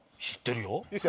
知ってるよ。